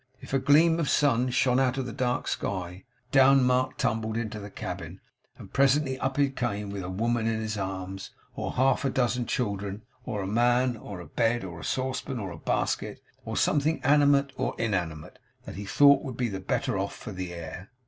If a gleam of sun shone out of the dark sky, down Mark tumbled into the cabin, and presently up he came again with a woman in his arms, or half a dozen children, or a man, or a bed, or a saucepan, or a basket, or something animate or inanimate, that he thought would be the better for the air.